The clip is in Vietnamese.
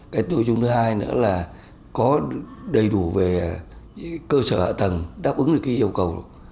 cái nội dung thứ hai nữa là có đầy đủ về cơ sở hạ tầng đáp ứng được cái yêu cầu